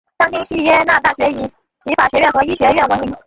当今锡耶纳大学以其法学院和医学院闻名。